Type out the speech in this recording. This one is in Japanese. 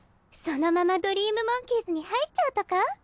そのままドリームモンキーズに入っちゃうとか？